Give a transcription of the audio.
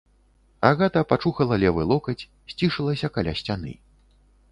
Агата пачухала левы локаць, сцішылася каля сцяны.